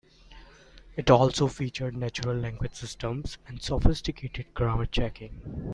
It also featured natural language systems and sophisticated grammar checking.